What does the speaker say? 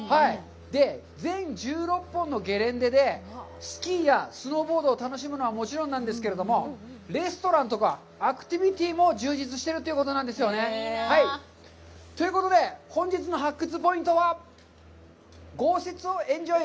全１６本のゲレンデで、スキーやスノーボードを楽しむのはもちろんなんですけれども、レストランとかアクティビティも充実しているということなんですよね。ということで、本日の発掘ポイントは、「豪雪をエンジョイ！